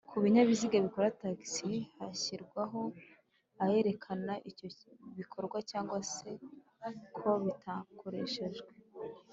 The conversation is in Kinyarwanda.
kubinyabiziga bikora taxi hashyirwaho ayerekana icyo bikora cg se ko bitakodeshejwe